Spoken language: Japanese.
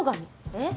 えっ？